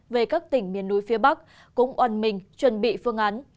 về các tỉnh miền núi phía bắc cũng oàn mình chuẩn bị phương án